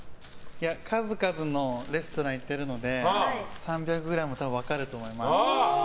数々のレストランに行ってるので３００ｇ、多分分かると思います。